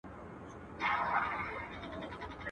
يو ښار دوه نرخه.